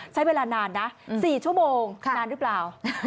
ใช้เวลานานนะ๔ชั่วโมงนานหรือเปล่า